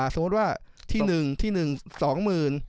สมมติว่าที่๑ที่๑สองหมื่น